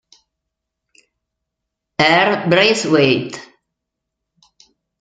R. Braithwaite.